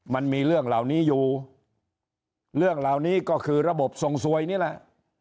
มันมีเรื่องเหล่านี้อยู่เรื่องเหล่านี้ก็คือระบบทรงสวยนี่แหละ